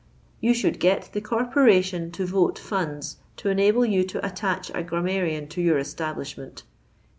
You should get the corporation to vote funds to enable you to attach a grammarian to your establishment.